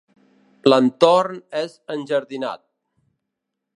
L'entorn és enjardinat.